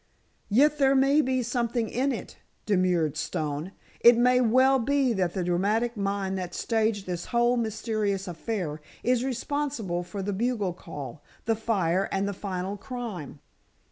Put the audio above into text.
"Yet there may be something in it," demurred Stone. "It may well be that the dramatic mind that staged this whole mysterious affair is responsible for the bugle call, the fire, and the final crime."